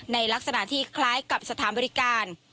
ในลักษณะที่คล้ายกับสถานบริการ